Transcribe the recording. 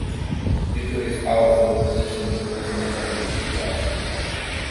Due to his powerful position, he was never charged.